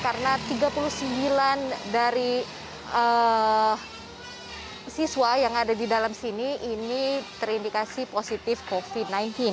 karena tiga puluh sembilan dari siswa yang ada di dalam sini ini terindikasi positif covid sembilan belas